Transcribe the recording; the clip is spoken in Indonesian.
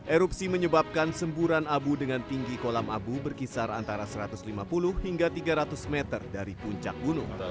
erupsi menyebabkan semburan abu dengan tinggi kolam abu berkisar antara satu ratus lima puluh hingga tiga ratus meter dari puncak gunung